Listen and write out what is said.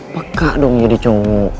pekak dong jadi cungu